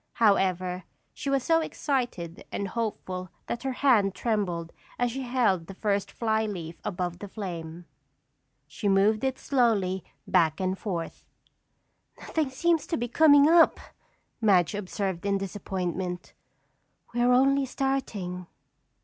However, she was so excited and hopeful that her hand trembled as she held the first fly leaf above the flame. She moved it slowly back and forth. "Nothing seems to be coming up," Madge observed in disappointment. "We're only starting."